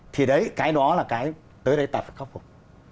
thì đấy cái đó là cái tới đây ta phải khắc phục